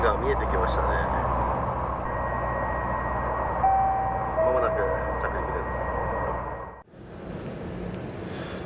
まもなく着陸です。